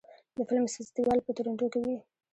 د فلم فستیوال په تورنټو کې وي.